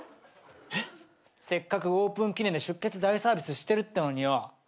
せっかくオープン記念で出血大サービスしてるってのによ。